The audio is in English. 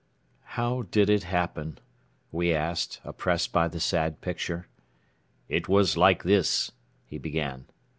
"How did it happen?" we asked, oppressed by the sad picture. "It was like this," he began.